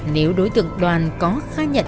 nếu đối tượng đoàn có khai nhận